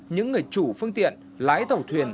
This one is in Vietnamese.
những người chủ phương tiện lái tàu thuyền